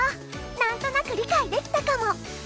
何となく理解できたかも。